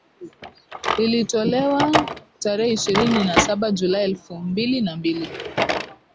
lililotolewa tarehe ishirini na saba Julai elfu mbili na mbili